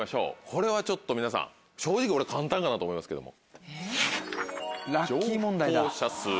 これはちょっと皆さん正直俺簡単かなと思いますけども。